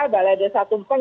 balai desa tumpeng